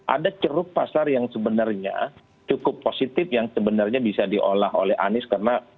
ada ceruk pasar yang sebenarnya cukup positif yang sebenarnya bisa diolah oleh anies karena